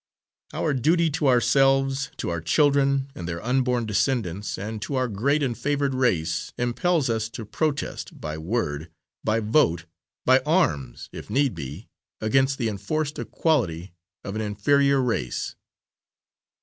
Our duty to ourselves, to our children, and their unborn descendants, and to our great and favoured race, impels us to protest, by word, by vote, by arms if need be, against the enforced equality of an inferior race.